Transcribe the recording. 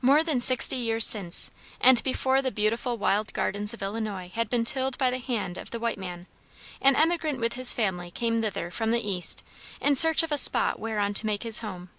More than sixty years since, and before the beautiful wild gardens of Illinois had been tilled by the hand of the white man, an emigrant with his family came thither from the East in search of a spot whereon to make his home.